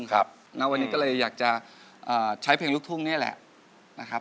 วันนี้ก็เลยอยากจะใช้เพลงลูกทุ่งนี่แหละ